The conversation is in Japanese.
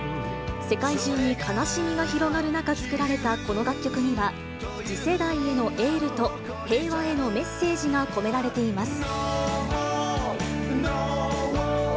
世界中に悲しみが広がる中、作られたこの楽曲には、次世代へのエールと、平和へのメッセージが込められています。